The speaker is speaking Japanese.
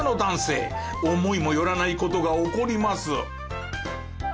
思いもよらない事が起こります。